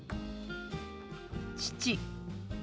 「父」。